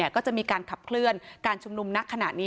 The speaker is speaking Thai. ก็จะมีการขับเคลื่อนการชุมนุมณขณะนี้